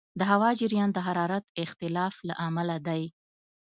د هوا جریان د حرارت اختلاف له امله دی.